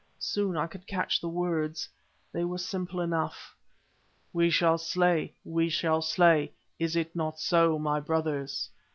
Soon I could catch the words. They were simple enough: "We shall slay, we shall slay! Is it not so, my brothers?